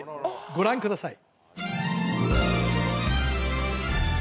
ご覧ください